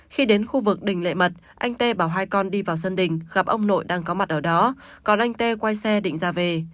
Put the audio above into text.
khi đến khu vực đỉnh lệ mật anh t bảo hai con đi vào sân đỉnh gặp ông nội đang có mặt ở đó còn anh t quay xe định ra về